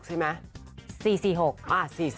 ใช่ไหม